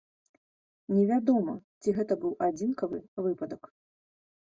Невядома, ці гэта быў адзінкавы выпадак.